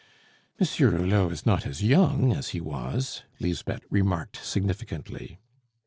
"Monsieur Hulot is not as young as he was," Lisbeth remarked significantly.